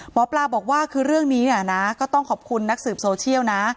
หมอปลาบอกว่าคือเรื่องนี้เนี่ยนะก็ต้องขอบคุณนักสืบโซเชียลนะ